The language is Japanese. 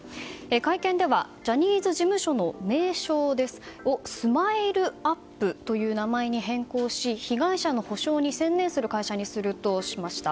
会見ではジャニーズ事務所の名称をＳＭＩＬＥ‐ＵＰ．という名前に変更し被害者の補償に専念する会社にするとしました。